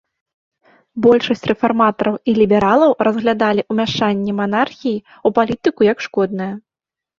Большасць рэфарматараў і лібералаў разглядалі ўмяшанне манархіі ў палітыку як шкоднае.